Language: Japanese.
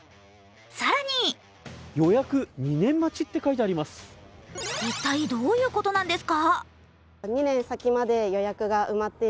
更に一体、どういうことなんですか？